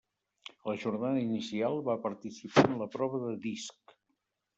A la jornada inicial, va participar en la prova de disc.